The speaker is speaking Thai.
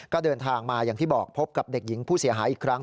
ก็เดินทางมาอย่างที่บอกพบกับเด็กหญิงผู้เสียหายอีกครั้ง